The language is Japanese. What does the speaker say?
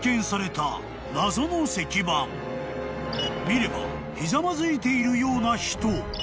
［見ればひざまずいているような人］